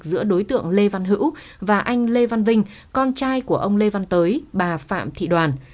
giữa đối tượng lê văn hữu và anh lê văn vinh con trai của ông lê văn tới bà phạm thị đoàn